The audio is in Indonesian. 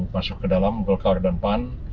masuk ke dalam golkar dan pan